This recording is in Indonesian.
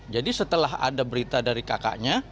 jadi setelah ada berita dari kakaknya